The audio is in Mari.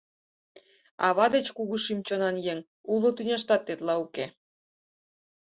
Ава деч кугу шӱм-чонан еҥ уло тӱняштат тетла уке.